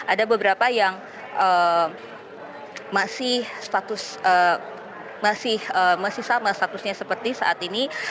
ada beberapa yang masih status masih sama statusnya seperti saat ini